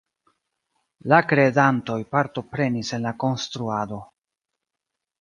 La kredantoj partoprenis en la konstruado.